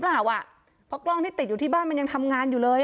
อ่ะเพราะกล้องที่ติดอยู่ที่บ้านมันยังทำงานอยู่เลย